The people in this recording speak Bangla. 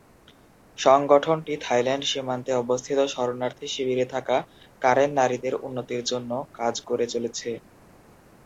সংগঠনটি থাইল্যান্ড সীমান্তে অবস্থিত শরণার্থী শিবিরে থাকা কারেন নারীদের উন্নতির জন্য কাজ করে চলেছে।